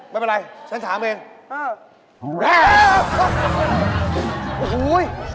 ไม่เป็นไรฉันถามเอง